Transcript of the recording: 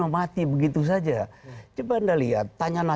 tapi belum pengadilan ini